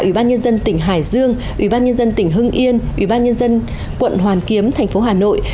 ủy ban nhân dân tỉnh hải dương ủy ban nhân dân tỉnh hưng yên ủy ban nhân dân quận hoàn kiếm thành phố hà nội